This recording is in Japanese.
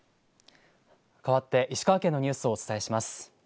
かわって石川県のニュースをお伝えします。